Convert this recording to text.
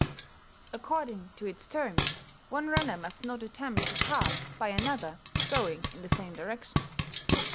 According to its terms, one runner must not attempt to pass by another going in the same direction.